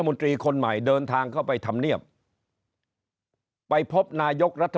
นตรีคนใหม่เดินทางเข้าไปทำเนียบไปพบนายกรัฐ